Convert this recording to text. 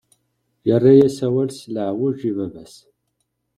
Yerra-yas awal s leɛweǧ i baba-s.